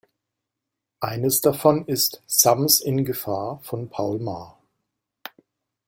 Eines davon ist Sams in Gefahr von Paul Maar.